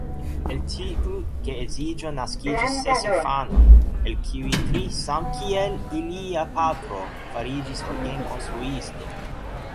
El tiu geedziĝo naskiĝis ses infanoj, el kiuj tri samkiel ilia patro fariĝis orgenkonstruisto.